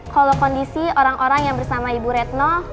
kalau kondisi orang orang yang bersama ibu retno